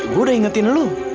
gue udah ingetin lo